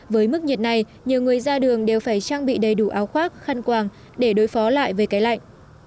với mức nhiệt này nhiều người ra đường đều phải trang bị đầy đủ áo khoác khăn quàng để đối phó lại với cái lạnh